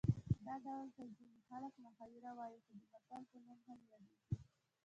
دغه ډول ته ځینې خلک محاوره وايي خو د متل په نوم هم یادیږي